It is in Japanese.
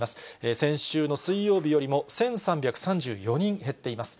先週の水曜日よりも１３３４人減っています。